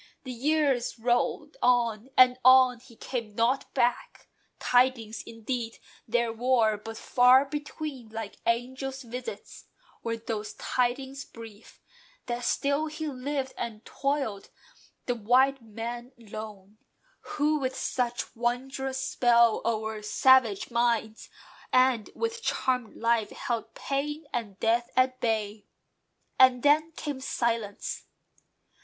The years rolled on, and on: he came not back. Tidings, indeed, there were; but "far between, Like angel visits," were those tidings brief, That still he lived, and toiled, the white man lone, Who with such wondrous spell o'er savage minds, And with charmed life, held pain and death at bay. And then came silence.